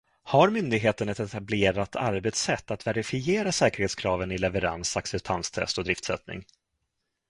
Har myndigheten ett etablerat arbetssätt att verifiera säkerhetskraven i leverans, acceptanstest och driftsättning?